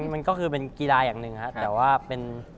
มันก็คือเป็นกีฬาอย่างหนึ่งครับแต่ว่าเป็น